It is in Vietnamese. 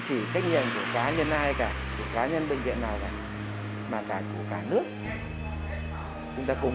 chỉ trách nhiệm của cá nhân ai cả cá nhân bệnh viện nào cả mà cả của cả nước chúng ta cùng